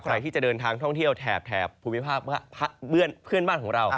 ใครที่จะเดินทางท่องเที่ยวแถบภูมิภาคเพื่อนบ้านของเรา